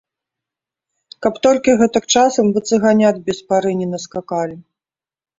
Каб толькі гэтак часам вы цыганят без пары не наскакалі?